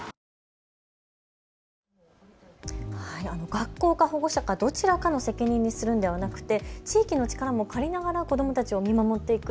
学校か保護者かどちらかの責任にするのではなくて地域の力を借りながら子どもたちを見守っていく。